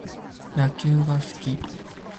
野球が好き